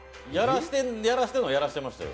やらしてるのはやらしてましたよ。